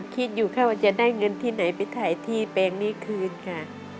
คิดอยู่ค่ะว่าจะได้เงินที่ไหนไปถ่ายที่แปลงนี้คืนค่ะ